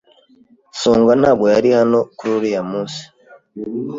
Songa ntabwo yari hano kuri uriya munsi.